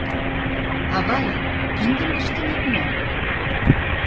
— Авай, киндым пыштынет мо?